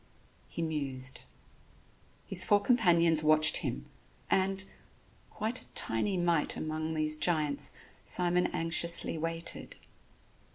He mused. His four companions watched him, and, quite a tiny mite among these giants, Simon anxiously waited.